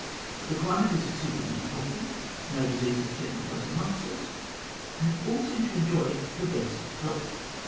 The climate is exceedingly healthy ; no disease has taken place amongst us, and all seem to enjoy the best of health."